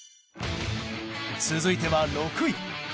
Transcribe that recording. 続いては６位。